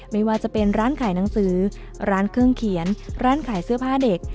ไม่ว่าจะเป็นร้านขายหนังสือร้านเครื่องเขียนร้านขายเสื้อผ้าเด็ก